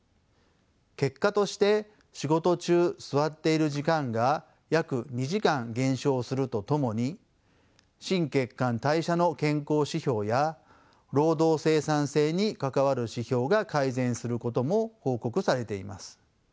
結果として仕事中座っている時間が約２時間減少するとともに心血管代謝の健康指標や労働生産性に関わる指標が改善することも報告されています。